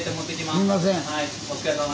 すいません。